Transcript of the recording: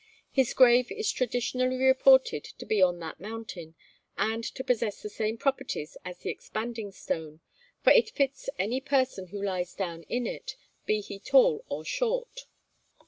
His grave is traditionally reported to be on that mountain, and to possess the same properties as the Expanding Stone, for it fits any person who lies down in it, be he tall or short.